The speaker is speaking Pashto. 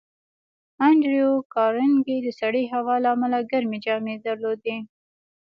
انډریو کارنګي د سړې هوا له امله ګرمې جامې درلودې